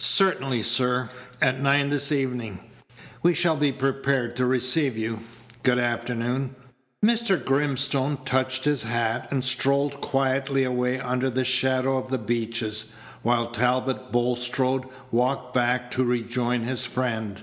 "Certainly, sir. At nine this evening." "We shall be prepared to receive you. Good afternoon." Mr. Grimstone touched his hat, and strolled quietly away under the shadow of the beeches, while Talbot Bulstrode walked back to rejoin his friend.